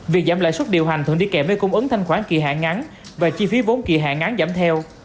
việc giảm lãi suất điều hành thường đi kèm với cung ứng thanh khoản kỳ hạn ngắn và chi phí vốn kỳ hạn ngắn giảm theo